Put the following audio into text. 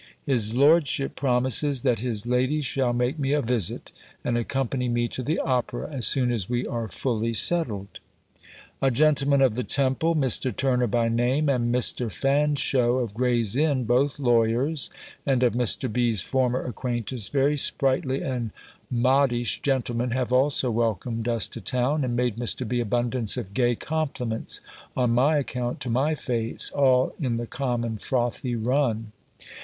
His lordship promises, that his lady shall make me a visit, and accompany me to the opera, as soon as we are fully settled. A gentleman of the Temple, Mr. Turner by name, and Mr. Fanshow of Gray's Inn, both lawyers, and of Mr. B.'s former acquaintance, very sprightly and modish gentlemen, have also welcomed us to town, and made Mr. B. abundance of gay compliments on my account to my face, all in the common frothy run.